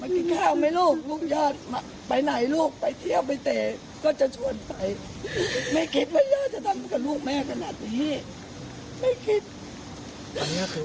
ถึงที่สุดถึงที่สุดเลย